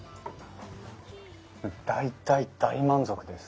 大大大満足です。